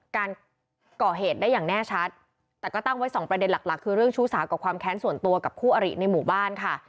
การก่อเหตุได้อย่างแน่ชัดแต่ก็ตั้งไว้สองประเด็นหลักหลักคือเรื่องชู้สาวกับความแค้นส่วนตัวกับคู่อริในหมู่บ้านค่ะ